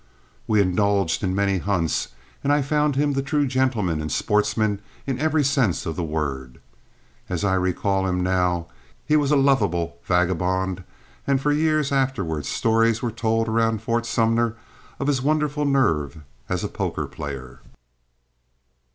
We indulged in many hunts, and I found him the true gentleman and sportsman in every sense of the word. As I recall him now, he was a lovable vagabond, and for years afterward stories were told around Fort Sumner of his wonderful nerve as a poker player.